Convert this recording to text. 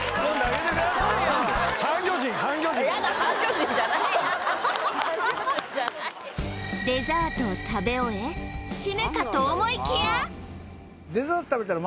ヤダデザートを食べ終えシメかと思いきや